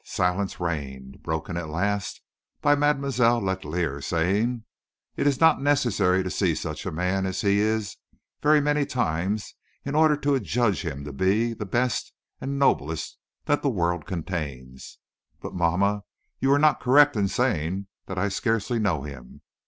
Silence reigned, broken at last by Mademoiselle Letellier saying: "It is not necessary to see such a man as he is very many times in order to adjudge him to be the best and noblest that the world contains. But, mamma, you are not correct in saying that I scarcely know him.